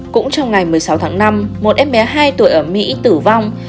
cũng trong ngày một mươi sáu tháng năm một em bé hai tuổi ở mỹ tử vong